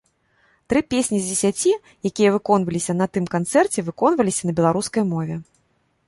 Тры песні з дзесяці, якія выконваліся на тым канцэрце, выконваліся на беларускай мове!